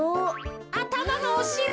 あたまのおしり。